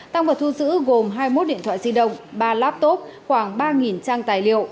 tăng vật thu giữ gồm hai mươi một điện thoại di động ba laptop khoảng ba trang tài liệu